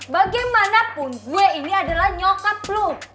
bagaimanapun gue ini adalah nyokap flu